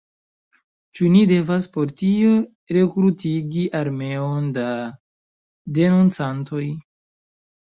Ĉu ni devas por tio rekrutigi armeon da denuncantoj?